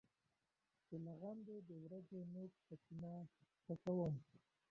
چې له غم دی د ورځو نوک په سینه خښوم.